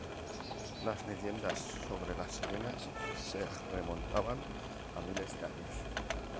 Las leyendas sobre las sirenas se remontan a miles de años.